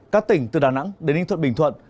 các tỉnh từ đà nẵng đến ninh thuận bình thuận